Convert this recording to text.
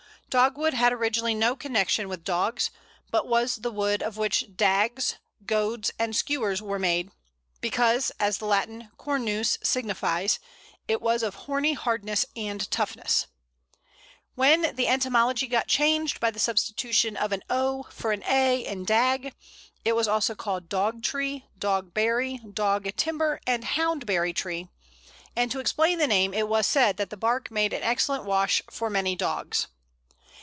Dogwood had originally no connection with dogs, but was the wood of which dags, goads, and skewers were made, because, as the Latin Cornus signifies, it was of horny hardness and toughness. When the etymology got changed by the substitution of "o" for "a" in dag, it was also called Dog tree, Dog berry, Dog timber, and Houndberry tree, and to explain the name it was said that the bark made an excellent wash for mangy dogs.